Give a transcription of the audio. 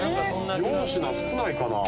４品少ないかな？